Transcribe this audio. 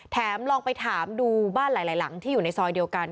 ลองไปถามดูบ้านหลายหลังที่อยู่ในซอยเดียวกัน